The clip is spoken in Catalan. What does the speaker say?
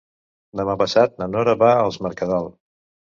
Demà passat na Nora va a Es Mercadal.